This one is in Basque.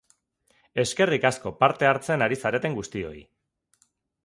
Eskerrik asko, parte hartzen ari zareten guztioi.